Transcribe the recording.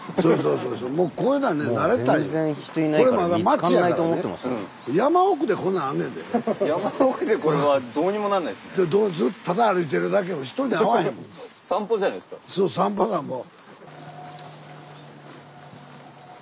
そう散歩だもう。